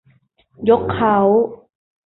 ยกเค้า